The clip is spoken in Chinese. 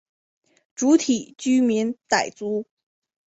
主体居民傣族。